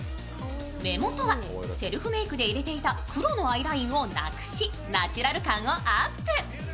目元がセルフメークで入れていた黒のアイラインをなくし、ナチュラル感をアップ。